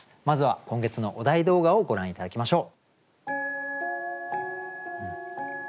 まずは今月のお題動画をご覧頂きましょう。